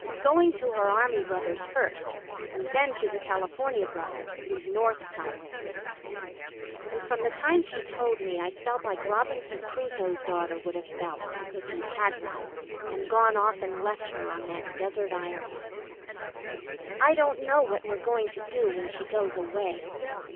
Going to her army brother's first, and then to the California brother, who's North somewhere. And from the time she told me I've felt like Robinson Crusoe's daughter would have felt, if he'd had one, and gone off and left her on that desert island. I don't know what we're going to do when she goes away.